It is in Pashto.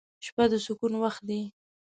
• شپه د سکون وخت دی.